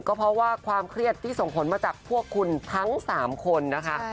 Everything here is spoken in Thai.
ก็เพราะว่าความเครียดที่ส่งผลมาจากพวกคุณทั้ง๓คนนะคะ